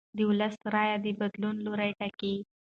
د ولس رایه د بدلون لوری ټاکي